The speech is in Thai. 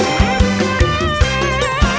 ว่ารักว่าชอบเธอมากแล้ว